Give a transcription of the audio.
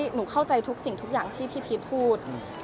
หนูเข้าใจทุกสิ่งทุกอย่างที่พี่พีชพูด